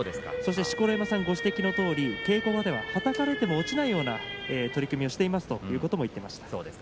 そして錣山さんご指摘のとおり稽古場では、はたかれても落ちないような取組をしていますということも言っていました。